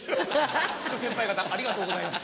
諸先輩方ありがとうございます。